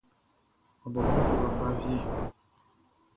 Ɔ bɔbɔ kwla ba wie.